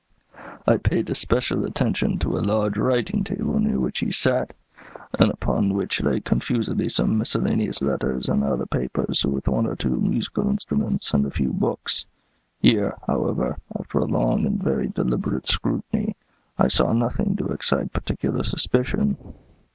"I paid especial attention to a large writing table near which he sat, and upon which lay confusedly some miscellaneous letters and other papers, with one or two musical instruments and a few books. Here, however, after a long and very deliberate scrutiny, I saw nothing to excite particular suspicion.